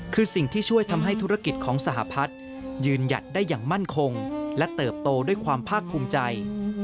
คือสิ่งที่ช่วยทำให้ธุรกิจของสหพัฒน์ยืนหยัดได้อย่างมั่นคงและเติบโตด้วยความภาคภูมิใจ